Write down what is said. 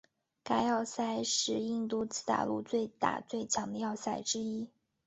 该要塞是印度次大陆最大最强的要塞之一。